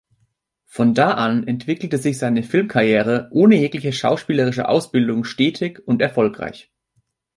Von da an entwickelte sich seine Filmkarriere ohne jegliche schauspielerische Ausbildung stetig und erfolgreich.